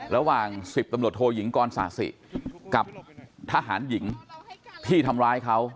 ระหว่าง๑๐ตำรวจโทยิงกรศาสิกับทหารหญิงที่ทำร้ายเขา